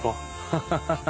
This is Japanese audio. ハハハハ。